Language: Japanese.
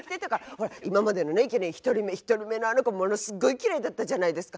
ほら今までのいけにえ１人目１人目のあの子ものすっごいきれいだったじゃないですか。